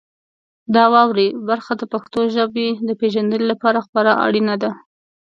د واورئ برخه د پښتو ژبې د پیژندنې لپاره خورا اړینه ده.